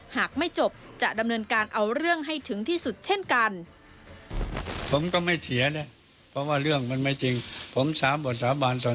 หากไม่จบจะดำเนินการเอาเรื่องให้ถึงที่สุดเช่นกัน